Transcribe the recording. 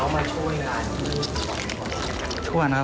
บริการนำ